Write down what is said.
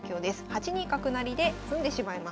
８二角成で詰んでしまいます。